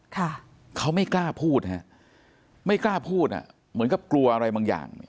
ค่ะเขาไม่กล้าพูดฮะไม่กล้าพูดอ่ะเหมือนกับกลัวอะไรบางอย่างเนี่ย